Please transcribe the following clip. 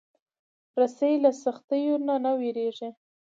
رسۍ له سختیو نه نه وېرېږي.